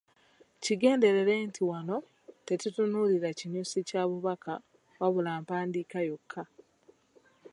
Kigenderere nti wano tetutunuulira kinyusi kya bubaka wabula mpandiika yokka.